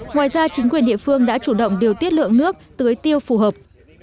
ngoài ra chính quyền địa phương đã chủ động điều tiết lượng nước tưới tiêu phù hợp